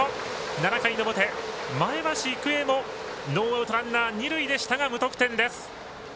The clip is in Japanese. ７回の表、前橋育英もノーアウトランナー、二塁でしたが無得点です。